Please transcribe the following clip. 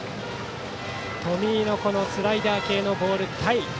冨井のスライダー系のボール。